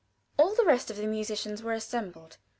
All the rest of the musicians were assembled.